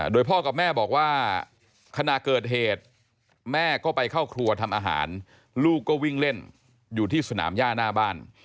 โดยพ่อกับแม่บอกว่าขณะเกิดเหตุแม่ก็ไปเข้าครัวทำอาหารลูกก็วิ่งเล่นอยู่ที่สนามย่าหน้าบ้าน